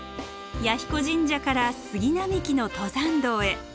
彌彦神社から杉並木の登山道へ。